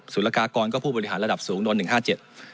สุรกากรก็ผู้บริหารระดับสูงหน่วยงาน๑๕๗